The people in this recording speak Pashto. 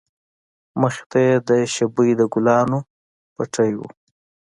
مخې ته يې د شبۍ د گلانو پټى و.